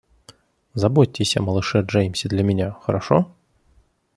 Заботьтесь о малыше Джеймсе для меня, хорошо?